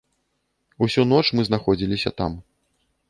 Усю ноч мы знаходзіліся там.